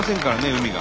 海が。